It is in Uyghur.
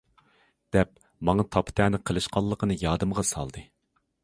دەپ ماڭا تاپا- تەنە قىلىشقانلىقىنى يادىمغا سالدى.